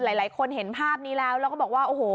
หลายคนเห็นภาพนี้แล้วแล้วก็บอกว่าโอ้โห